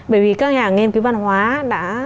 bởi vì các nhà nghiên cứu văn hóa đã